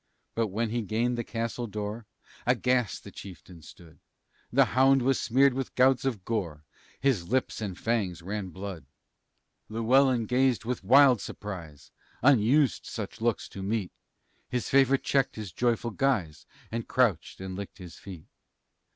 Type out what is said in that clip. But when he gained the castle door, Aghast the chieftain stood; The hound was smeared with gouts of gore, His lips and fangs ran blood. Llewellyn gazed with wild surprise, Unused such looks to meet; His favorite checked his joyful guise, And crouched and licked his feet.